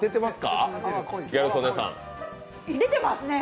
出てますね。